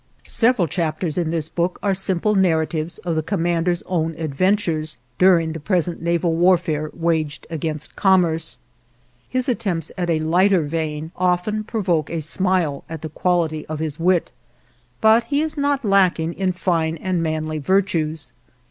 Several chapters in this book are simple narratives of the commander's own adventures during the present naval warfare waged against commerce. His attempts at a lighter vein often provoke a smile at the quality of his wit, but he is not lacking in fine and manly virtues.